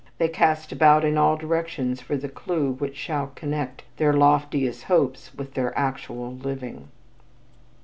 They cast about in all directions for the clue which shall connect their loftiest hopes with their actual living.